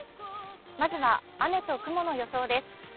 まずは雨と雲の予想です。